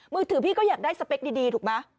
มือถือพี่ก็อยากได้สเปคดีถูกไหม